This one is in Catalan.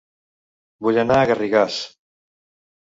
Vull anar a Garrigàs